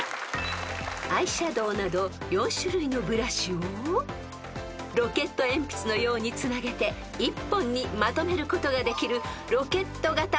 ［アイシャドーなど４種類のブラシをロケット鉛筆のようにつなげて一本にまとめることができる］